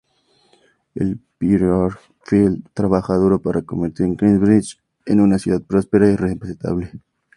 El prior Philip trabaja duro para convertir Kingsbridge en una ciudad próspera y respetable.